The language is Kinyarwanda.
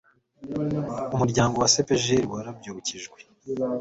umuryango wa cepgl warabyukijwe